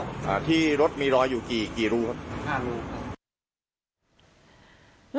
อ่าที่รถมีรอยอยู่กี่กี่รูครับห้ารูครับ